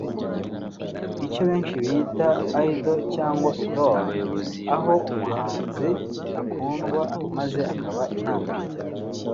icyo benshi bita (idol/idole) aho umuhanzi akundwa maze akaba intangarugero